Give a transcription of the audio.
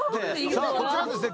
さあこちらはですね